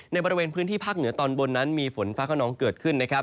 ในบริเวณพื้นที่ภาคเหนือตอนบนนั้นมีฝนฟ้าขนองเกิดขึ้นนะครับ